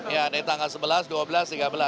ya dari tanggal sebelas dua belas tiga belas